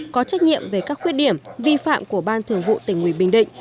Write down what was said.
có trách nhiệm về các khuyết điểm vi phạm của ban thường vụ tỉnh ủy bình định